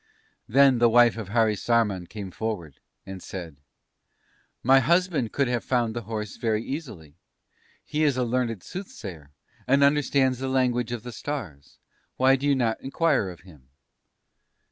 "Then the wife of Harisarman came forward, and said: "'My husband could have found the horse very easily; he is a learned Soothsayer, and understands the language of the stars. Why do you not inquire of him?'